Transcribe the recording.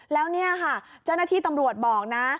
แล้วเนี่ยค่ะเจ้าหน้าที่ตำรวจบอกนะ